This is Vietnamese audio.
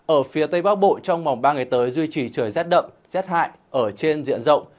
ở phía tây bắc bộ trong vòng ba ngày tới duy trì trời rét đậm rét hại ở trên diện rộng